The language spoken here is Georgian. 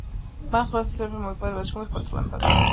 მაღალი ხარისხის პემზა მოიპოვება ლიპარის კუნძულებზე.